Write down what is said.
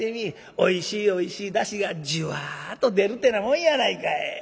おいしいおいしいだしがジュワっと出るってなもんやないかい」。